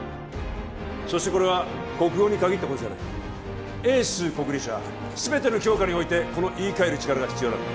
そしてこれは国語に限ったことじゃない英数国理社全ての教科においてこの言い換える力が必要なんだ